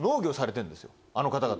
あの方々。